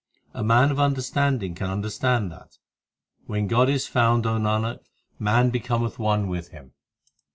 A man of understanding can understand that. When God is found, O Nanak, man becometh one with Him.